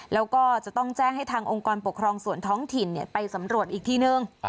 แล้วก็จะต้องแจ้งให้ทางองค์กรปกครองส่วนท้องถิ่นไปสำรวจอีกทีนึง